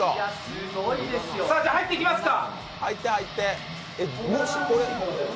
さあ、入っていきますか！